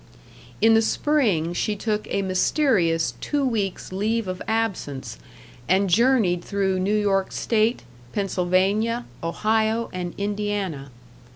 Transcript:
In the spring she took a mysterious two weeks' leave of absence and journeyed through New York State, Pennsylvania, Ohio, and Indiana.